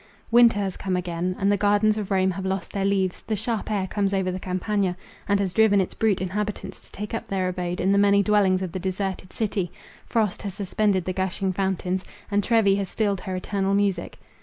Winter has come again; and the gardens of Rome have lost their leaves— the sharp air comes over the Campagna, and has driven its brute inhabitants to take up their abode in the many dwellings of the deserted city—frost has suspended the gushing fountains—and Trevi has stilled her eternal music.